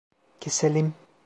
Keselim.